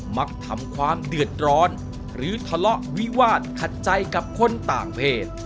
มักทำความเดือดร้อนหรือทะเลาะวิวาสขัดใจกับคนต่างเพศ